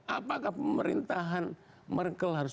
apakah pemerintahan merkel harus